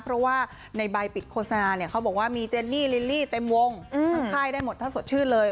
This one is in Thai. เพราะว่าในใบปิดโฆษณาเนี่ยเขาบอกว่ามีเจนนี่ลิลลี่เต็มวงทั้งค่ายได้หมดถ้าสดชื่นเลย